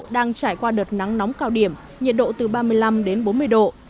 đang trải qua đợt nắng nóng cao điểm nhiệt độ từ ba mươi năm đến bốn mươi độ